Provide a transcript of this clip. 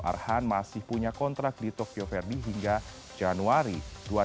arhan masih punya kontrak di tokyo verde hingga januari dua ribu dua puluh